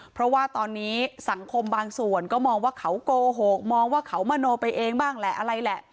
เพราะว่าตอนนี้สังคมบางส่วนก็มองว่าเขาโกหกมองว่าเขามโนไปเองบ้างแหละอะไรแหละ